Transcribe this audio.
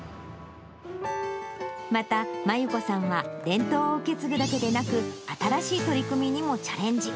また真裕子さんは伝統を受け継ぐだけでなく、新しい取り組みにもチャレンジ。